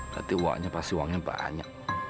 berarti uaknya pasti maju juga ya